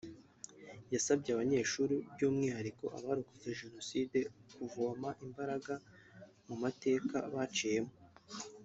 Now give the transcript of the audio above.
yasabye abanyeshuri by’umwihariko abarokotse Jenoside kuvoma imbaraga mu mateka baciyemo